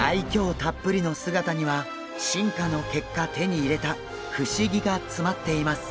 たっぷりの姿には進化の結果手に入れた不思議が詰まっています。